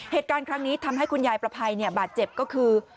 เหตุการณ์ครั้งนี้ทำให้คุณยายประภัยบาดเจ็บก็คือ